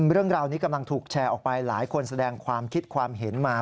เรื่องราวนี้กำลังถูกแชร์ออกไปหลายคนแสดงความคิดความเห็นมา